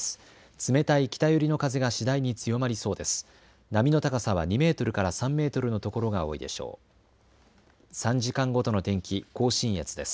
冷たい北寄りの風が次第に強まりそうです。